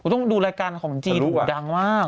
ต้องดูรายการของจีนดังมาก